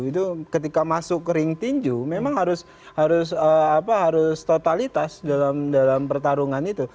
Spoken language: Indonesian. itu ketika masuk ring tinju memang harus totalitas dalam pertarungan itu